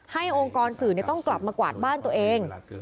องค์กรสื่อต้องกลับมากวาดบ้านตัวเอง